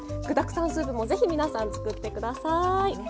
具だくさんスープもぜひ皆さん作って下さい！